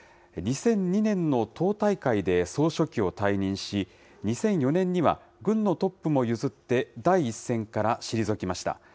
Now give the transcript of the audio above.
２００２年の党大会で総書記を退任し、２００４年には軍のトップも譲って、第一線から退きました。